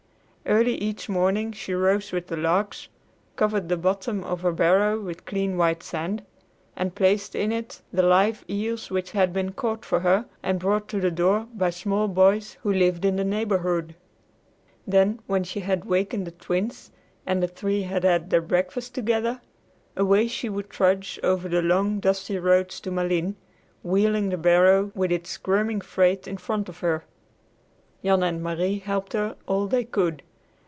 Early each morning she rose with the larks, covered the bottom of her barrow with clean white sand, and placed in it the live eels which had been caught for her and brought to the door by small boys who lived in the neighborhood. Then, when she had wakened the Twins, and the three had had their breakfast together, away she would trudge over the long, dusty road to Malines, wheeling the barrow with its squirming freight in front of her. Jan and Marie helped her all they could.